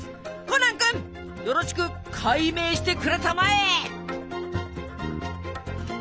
コナン君よろしく解明してくれたまえ！